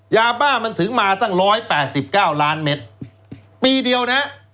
ยาบ้ามันถึงมาตั้งร้อยแปดสิบเก้าล้านเมตรปีเดียวนะ